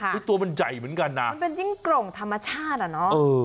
คือตัวมันใหญ่เหมือนกันนะมันเป็นจิ้งโกร่งธรรมชาติอ่ะเนอะ